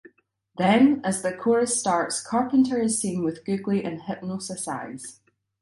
Then as the chorus starts Carpenter is seen with googly and hypnosis eyes.